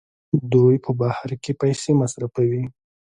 دوی په بهر کې پیسې مصرفوي.